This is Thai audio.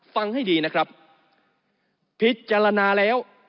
ฟังให้ดีนะครับพิจารณาแล้ว